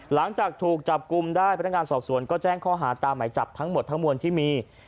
หลังจากถูกจับกลุ่มได้พนักงานสอบสวนก็แจ้งข้อหาตามหมายจับทั้งหมดทั้งมวลที่มี